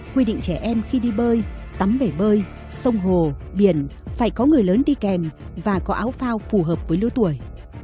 quy định trẻ em khi đi bơi tắm bể bơi sông hồ biển phải có người lớn đi kèm và có áo phao phù hợp với lứa tuổi